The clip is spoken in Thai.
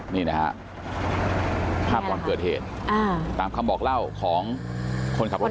นี่นะฮะภาพก่อนเกิดเหตุตามคำบอกเล่าของคนขับรถ